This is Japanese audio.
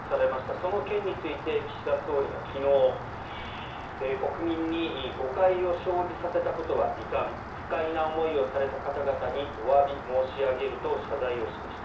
その件について岸田総理が昨日国民に誤解を生じさせたことは遺憾不快な思いをされた方々におわび申し上げると謝罪しました。